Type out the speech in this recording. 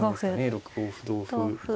６五歩同歩。